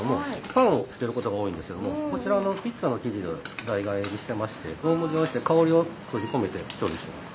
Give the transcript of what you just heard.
パンをつけることが多いんですけどもこちらピッツァの生地を代替えにしてましてドーム状にして香りを閉じ込めて調理してます。